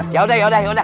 yaudah yaudah yaudah